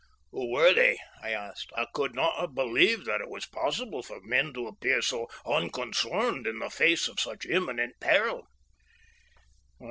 "Who were they?" I asked. "I could not have believed that it was possible for men to appear so unconcerned in the face of such imminent peril."